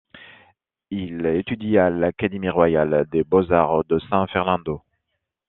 Il étudie à l'Académie royale des beaux-arts de San Fernando.